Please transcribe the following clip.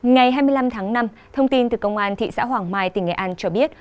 ngày hai mươi năm tháng năm thông tin từ công an thị xã hoàng mai tỉnh nghệ an cho biết